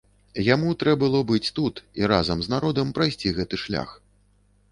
Яму трэ было быць тут, і разам з народам прайсці гэты шлях.